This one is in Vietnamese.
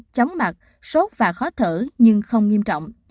chóng mặt sốt và khó thở nhưng không nghiêm trọng